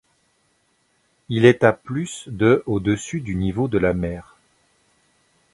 Il est à plus de au-dessus du niveau de la mer.